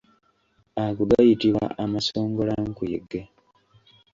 Ago gayitibwa amasongolankuyege.